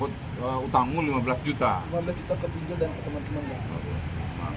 lima belas juta kepinjol dan ke teman temannya